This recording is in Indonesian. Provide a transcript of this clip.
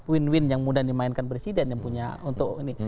win win yang mudah dimainkan presiden yang punya untuk ini